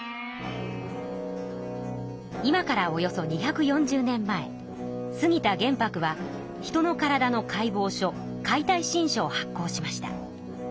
今からおよそ２４０年前杉田玄白は人の体の解剖書「解体新書」を発行しました。